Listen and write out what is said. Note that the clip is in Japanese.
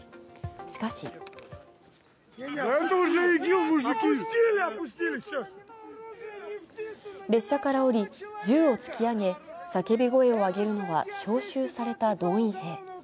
しかし列車から降り銃を突き上げ叫び声を上げるのは招集された動員兵。